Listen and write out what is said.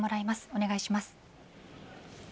お願いします。